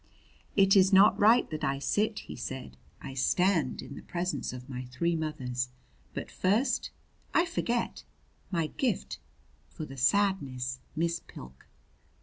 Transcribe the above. "It is not right that I sit," he said. "I stand in the presence of my three mothers. But first I forget my gift! For the sadness, Miss Pilk!"